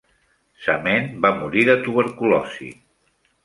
Samain va morir de tuberculosi.